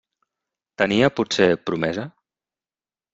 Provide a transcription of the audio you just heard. Tenia, potser, promesa?